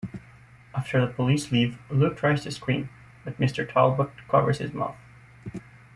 After the police leave, Luke tries to scream, but Mr. Talbot covers his mouth.